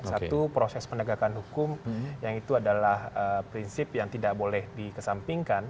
satu proses penegakan hukum yang itu adalah prinsip yang tidak boleh dikesampingkan